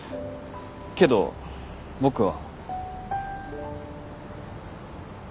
けど僕は。